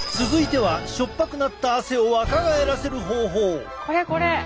続いてはこれこれ！